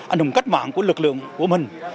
anh hùng cách mạng của lực lượng của mình